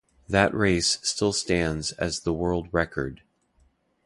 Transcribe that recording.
That race still stands as the World Record.